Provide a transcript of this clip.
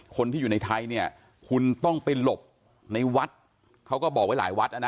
คนที่อยู่ในไทยเนี่ยคุณต้องไปหลบในวัดเขาก็บอกไว้หลายวัดนะ